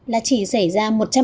là chỉ xảy ra